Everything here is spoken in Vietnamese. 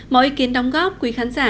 mọi ý kiến đóng góp quý khán giả